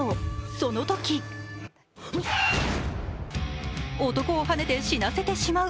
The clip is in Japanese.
そのとき男をはねて死なせてしまう。